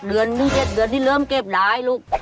เดือนที่๗เดือนที่เริ่มเก็บหลายลูก